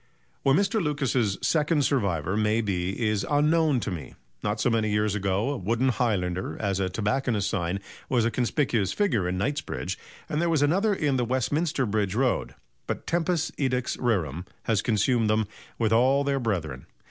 Where Mr. Lucas's second survivor may be is unknown to me. Not so many years ago a wooden highlander, as a tobacconist's sign, was a conspicuous figure in Knightsbridge, and there was another in the Westminster Bridge Road; but tempus edax rerum has consumed them with all their brethren.